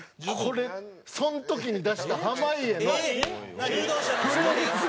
その時に出した濱家のフレーズ。